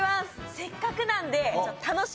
せっかくなんで。